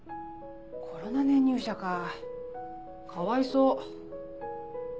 コロナ年入社かかわいそう。